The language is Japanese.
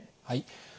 はい。